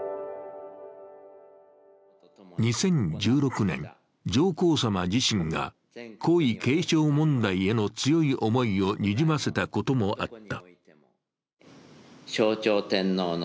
２０１６年、上皇さま自身が皇位継承問題への強い思いをにじませたこともあった。